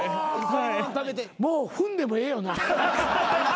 もう踏んでもええよな？